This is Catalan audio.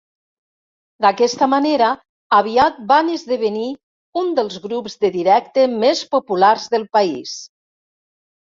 D'aquesta manera aviat van esdevenir un dels grups de directe més populars del país.